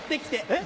えっ？